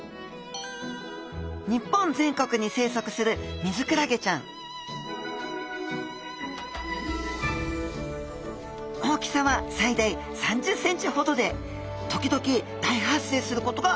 日本全国に生息するミズクラゲちゃん大きさは最大３０ｃｍほどで時々大発生することがあります